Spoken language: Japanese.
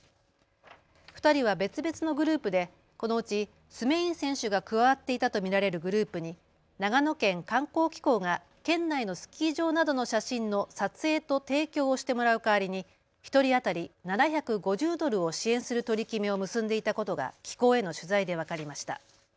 ２人は別々のグループでこのうちスメイン選手が加わっていたと見られるグループに長野県観光機構が県内のスキー場などの写真の撮影と提供をしてもらう代わりに１人当たり７５０ドルを支援する取り決めを結んでいたことが機構への取材で分かりました。